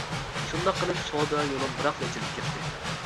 شۇنداق قىلىپ سودا يولۇم بىراقلا ئېچىلىپ كەتتى.